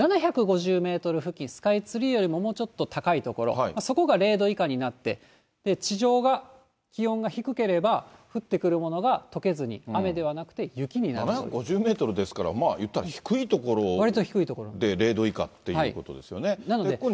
７５０メートル付近、スカイツリーよりももうちょっと高い所、そこが０度以下になって、地上が気温が低ければ降ってくるものがとけずに、雨ではなくて雪７５０メートルですから、いったら低い所で０度以下っていうことですよね。